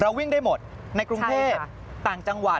วิ่งได้หมดในกรุงเทพต่างจังหวัด